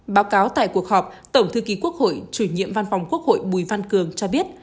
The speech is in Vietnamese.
báo cáo tại cuộc họp tổng thư ký quốc hội chủ nhiệm văn phòng quốc hội bùi văn cường cho biết